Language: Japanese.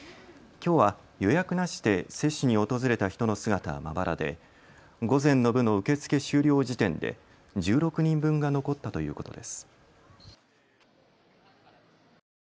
きょうは予約なしで接種に訪れた人の姿はまばらで、午前の部の受け付け終了時点で１６人分が残ったということです。